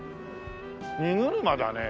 荷車だね。